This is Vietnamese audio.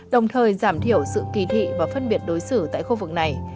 đồng thời giảm thiểu sự kỳ thị và phân biệt đối xử tại khu vực này